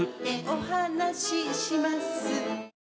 「お話します」